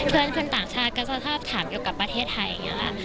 เพื่อนคนต่างชาก็จะถอบถามอยู่กับประเทศไทย